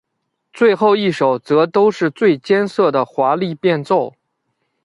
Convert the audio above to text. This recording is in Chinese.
最后一首则都是最艰涩的华丽变奏。